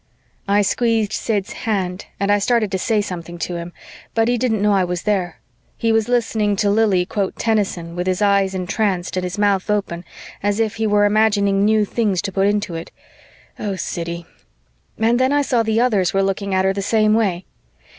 I squeezed Sid's hand and I started to say something to him, but he didn't know I was there; he was listening to Lili quote Tennyson with his eyes entranced and his mouth open, as if he were imagining new things to put into it oh, Siddy! And then I saw the others were looking at her the same way.